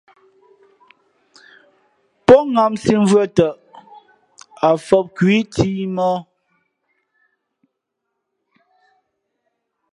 Pó ŋǎmsī mvʉ̄ᾱ tαʼ, ǎ fǒp khu ǐ cǐmōh.